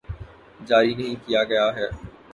جاری نہیں کیا گیا ہے